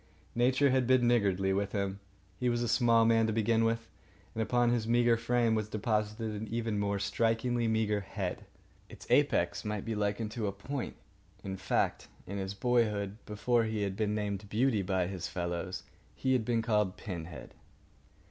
Nature had been niggardly with him. He was a small man to begin with; and upon his meagre frame was deposited an even more strikingly meagre head. Its apex might be likened to a point. In fact, in his boyhood, before he had been named Beauty by his fellows, he had been called "Pinhead."